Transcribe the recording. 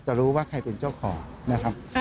รู้ว่าใครเป็นเจ้าของนะครับ